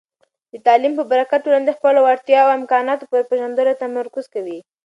د تعلیم په برکت، ټولنه د خپلو وړتیاوو او امکاناتو پر پېژندلو تمرکز کوي.